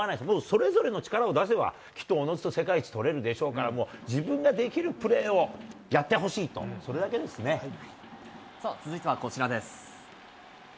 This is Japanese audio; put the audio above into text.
それぞれの力を出せば、きっとおのずと世界一とれるでしょうから、自分ができるプレーを続いてはこちらです。